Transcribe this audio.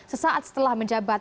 sesaat setelah menjabat